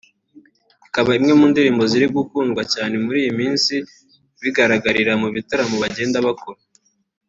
ikaba imwe mu ndirimbo ziri gukundwa cyane muri iyi minsi bigaragarira mu bitaramo bagenda bakora